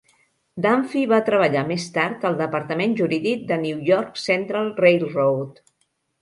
Dunphy va treballar més tard al departament jurídic de New York Central Railroad.